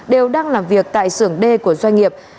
đều đang làm việc tại sưởng đê của doanh nghiệp